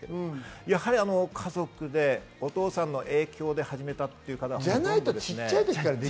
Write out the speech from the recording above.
やはり家族で、お父さんの影響で始めたという方が多いです。